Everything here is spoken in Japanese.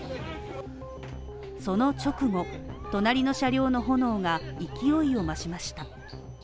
その直後、隣の車両の炎が勢いを増しました。